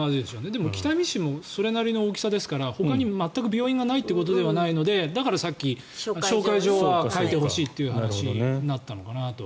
でも北見市もそれなりの大きさですからほかに全く病院がないということではないのでだからさっき紹介状は書いてほしいという話になったのかなと。